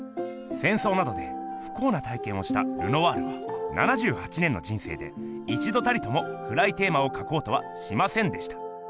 せんそうなどでふこうな体けんをしたルノワールは７８年の人生で一度たりともくらいテーマをかこうとはしませんでした。